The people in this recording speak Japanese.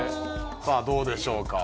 さあどうでしょうか。